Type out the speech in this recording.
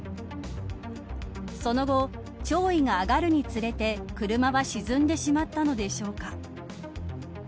その後、潮位が上がるにつれて車は沈んでしまったのでしょうか。